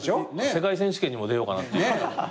世界選手権にも出ようかなと。